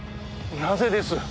なぜです？